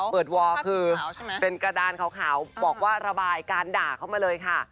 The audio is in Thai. วอร์คือเป็นกระดานขาวบอกว่าระบายการด่าเข้ามาเลยค่ะ